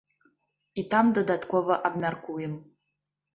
І там дадаткова абмяркуем.